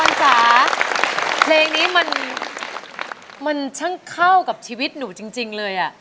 คุณจ๋าเพลงนี้มันช่างเข้ากับชีวิตหนูจริงเลย